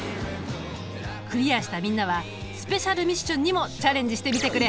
クリアしたみんなはスペシャルミッションにもチャレンジしてみてくれ。